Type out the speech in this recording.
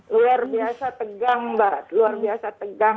luar biasa tegang mbak luar biasa tegang